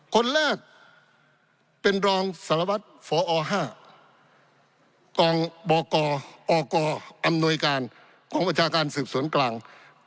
คนแรกเป็นรองสารวัตรฝอ๕กองบกอกอำนวยการกองประชาการสืบสวนกลาง